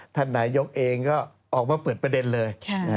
ท่านนายกเองก็ออกมาเปิดประเด็นเลย